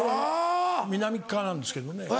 南側なんですけどね。